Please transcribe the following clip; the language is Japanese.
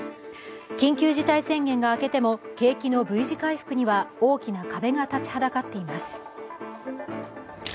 緊急事態宣言が明けても景気のＶ字回復には大きな壁が立ちはだかっています。